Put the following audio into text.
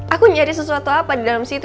aku nyari sesuatu apa di dalam situ